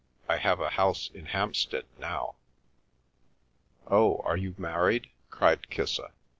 " I have a house in Hampstead now." " Oh, are you married ?" cried Kissa.